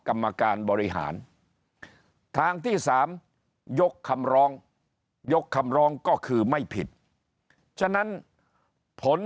กรรมการบริหารทางที่สามยกคำร้องยกคำร้องก็คือไม่ผิดฉะนั้นผล